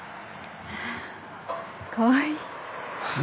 あかわいい。